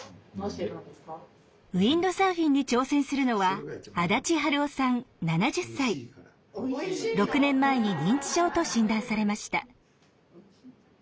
ウインドサーフィンに挑戦するのは６年前に認知症と診断されました。